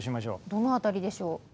どの辺りでしょう？